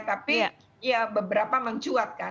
tapi ya beberapa mencuatkan